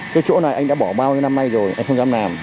cái chỗ này anh đã bỏ bao nhiêu năm nay rồi anh không dám làm